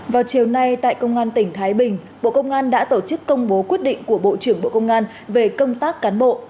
vào chiều nay tại công an tỉnh thái bình bộ công an đã tổ chức công bố quyết định của bộ trưởng bộ công an về công tác cán bộ